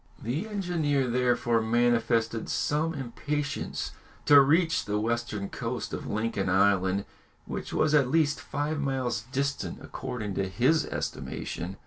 ] The engineer therefore manifested some impatience to reach the western coast of Lincoln Island, which was at least five miles distant according to his estimation.